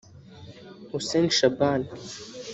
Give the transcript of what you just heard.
Hussein Shaban